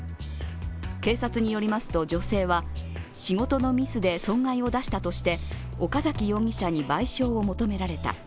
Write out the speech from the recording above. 警察によりますと、女性は、仕事のミスで損害を出したとして岡崎容疑者に賠償を求められた。